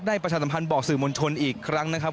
ประชาสัมพันธ์บอกสื่อมวลชนอีกครั้งนะครับ